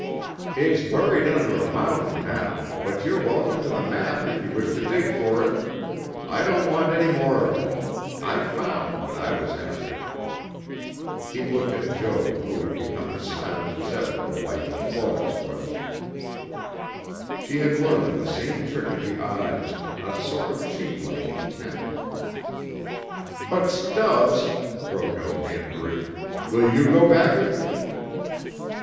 "It's buried under a mountain now, but you're welcome to the map if you wish to dig for it. I don't want any more of it. I found what I was after." He looked at Jo who had become as silent as ever the wife of Flores was. She had learned the same trick of the eyes a sort of sheep like content. "But, Stubbs," broke out Danbury, "will you go back with me?